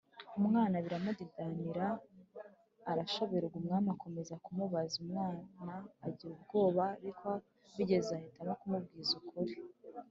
umwana biramudidanira arashoberwa. Umwami akomeza kumubaza, umwana agira ubwoba, ariko bigezaho ahitamo kumubwiza ukuri